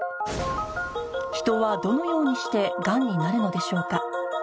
人はどのようにしてがんになるのでしょうか？